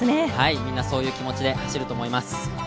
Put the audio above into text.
みんなそういう気持ちで走ると思います。